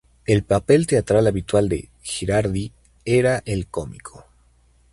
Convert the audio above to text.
El papel teatral habitual de Girardi era el cómico.